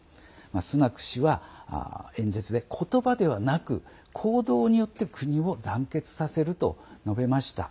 スナク氏は演説で言葉ではなく行動によって国を団結させると述べました。